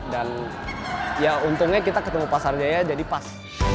dan ya untungnya kita ketemu pasar jaya jadi pas